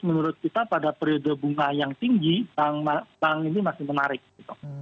menurut kita pada periode bunga yang tinggi bank ini masih menarik gitu